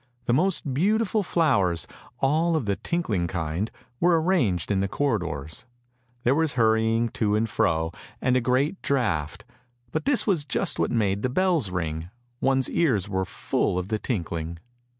The most beautiful flowers, all of the tinkling kind, were arranged in the corridors; there was hurrying to and fro, and a great draught, but this was just what made the bells ring, one's ears were full of the tinkling.